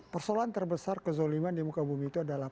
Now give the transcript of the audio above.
persoalan terbesar kezoliman di muka bumi itu adalah